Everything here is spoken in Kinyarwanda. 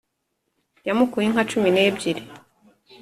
Yamukoye inka cumi n’ebyiri